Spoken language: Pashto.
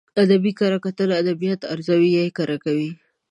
ادبي کره کتنه ادبيات ارزوي يا يې کره کوي.